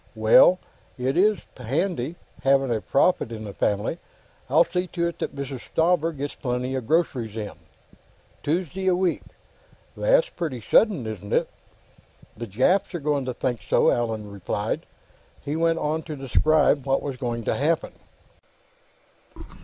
"Well! It is handy, having a prophet in the family! I'll see to it Mrs. Stauber gets plenty of groceries in.... Tuesday a week? That's pretty sudden, isn't it?" "The Japs are going to think so," Allan replied. He went on to describe what was going to happen.